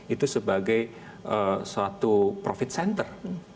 itu sebagai suatu profit center